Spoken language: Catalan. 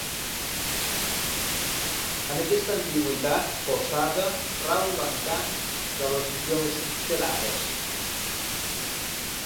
En aquesta ambigüitat forçada rau l'encant de les millors xarades.